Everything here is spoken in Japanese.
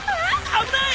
危ない！